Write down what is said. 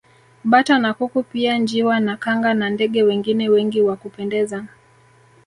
Bata na kuku pia njiwa na kanga na ndege wengine wengi wa kupendeza